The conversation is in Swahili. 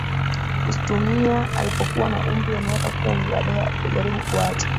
kuzitumia alipokuwa na umri wa miaka kumi Baadaye alipojaribu kuacha